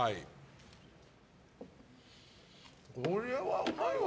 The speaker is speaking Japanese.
これはうまいわ。